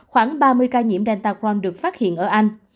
khoảng ba mươi ca nhiễm delta crohn được phát hiện ở anh